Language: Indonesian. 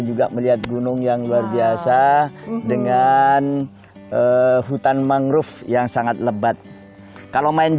juga melihat gunung yang luar biasa dengan hutan mangrove yang sangat lebat kalau main